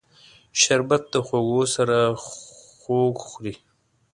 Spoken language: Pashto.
شربت د خوږو سره خوږ خوري